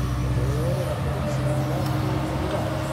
Notevole la produzione di latte e derivati.